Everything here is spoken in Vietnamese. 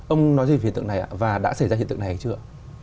ông nói gì về hiện tượng này ạ và đã xảy ra hiện tượng này hay chưa ạ